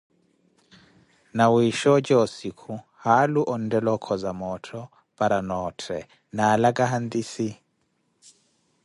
Nawiisha oja ossikhu, haalu ontthela okoza moottho, para noothe naalaka hantisse.